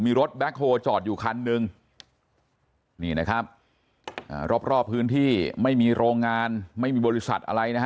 มีรถแบคโฮล์จอดอยู่คันหนึ่งรอบพื้นที่ไม่มีโรงงานไม่มีบริษัทอะไร